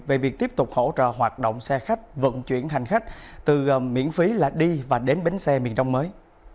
về việc tiếp tục hỗ trợ hoạt động xe khách vận chuyển hành khách từ miễn phí là đi và đến bến xe miền đông mới